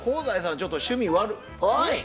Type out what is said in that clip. ちょっと趣味悪。おい！